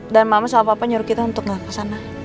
dan mama sama papa nyuruh kita untuk gak ke sana